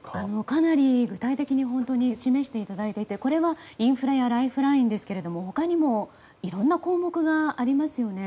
かなり具体的に示していただいていてこれはインフラやライフラインですが他にもいろんな項目がありますよね。